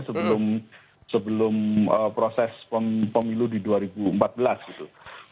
sebelum proses pemilu di dua ribu empat belas gitu